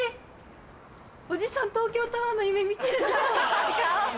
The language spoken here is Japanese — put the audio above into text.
おじさん東京タワーの夢見てるじゃん。